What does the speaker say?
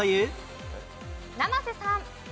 生瀬さん。